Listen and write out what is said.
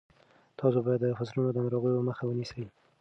تاسو باید د فصلونو د ناروغیو مخه ونیسئ.